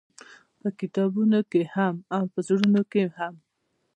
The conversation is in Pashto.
په کتابونو کښې هم او په زړونو کښې هم-